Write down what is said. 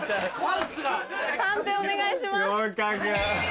判定お願いします。